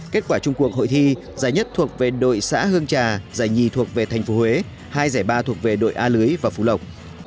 kết quả chung cuộc hội thi giải nhất thuộc về đội xã hương trà giải nhì thuộc về tp huế hai giải ba thuộc về đội a lưới và phú lộc